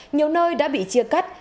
nhiều nơi đã bị chia cắt